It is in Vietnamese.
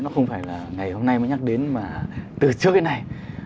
nó không phải là ngày hôm nay mới nhắc đến mà từ trước đến nay